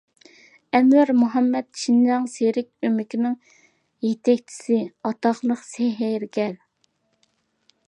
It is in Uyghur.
ئەنۋەر مۇھەممەت: شىنجاڭ سېرك ئۆمىكىنىڭ يېتەكچىسى، ئاتاقلىق سېھىرگەر.